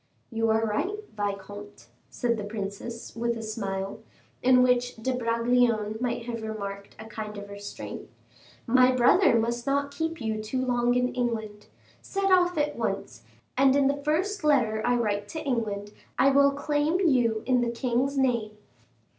"You are right, vicomte," said the princess, with a smile, in which De Bragelonne might have remarked a kind of restraint; "my brother must not keep you too long in England; set off at once, and in the first letter I write to England, I will claim you in the king's name."